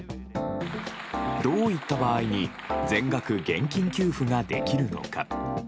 どういった場合に全額現金給付ができるのか。